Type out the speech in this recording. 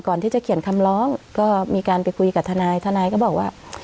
ก่อนที่จะเขียนคำร้องก็มีการไปคุยกับทนายทนายก็บอกว่า